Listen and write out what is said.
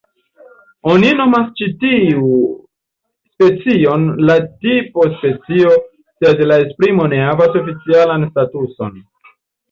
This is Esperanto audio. Oni nomas ĉi tiu specion la "tipo-specio" sed la esprimo ne havas oficialan statuson.